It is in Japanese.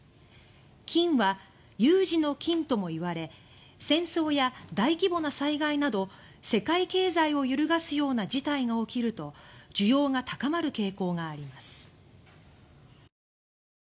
金は有事の金ともいわれ戦争や大規模な災害など世界経済を揺るがすような事態が起きると需要が高まる傾向があります。